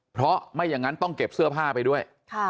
เพราะไม่อย่างนั้นต้องเก็บเสื้อผ้าไปด้วย